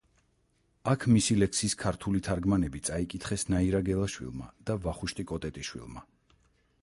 აქ მისი ლექსის ქართული თარგმანები წაიკითხეს ნაირა გელაშვილმა და ვახუშტი კოტეტიშვილმა.